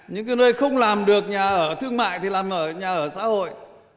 những nơi không làm được nhà ở thương mại thì làm ở nhà ở xã hội